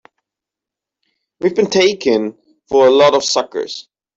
We've been taken for a lot of suckers!